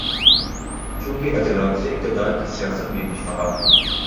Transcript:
چونکہ عرصۂ دراز سے اقتدار کی سیاست میں بھی فعال ہیں۔